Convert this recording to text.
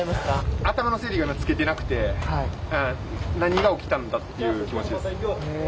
頭の整理がつけてなくて何が起きたんだという気持ちです。